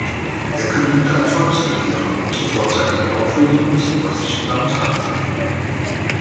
Er kündigte ein Volksbegehren zur vorzeitigen Auflösung des preußischen Landtages an.